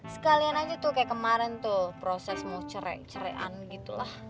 sekalian aja tuh kayak kemarin tuh proses mau cerek cerean gitu lah